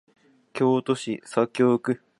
京都市左京区